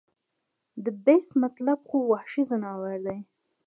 د The Beast مطلب خو وحشي ځناور دے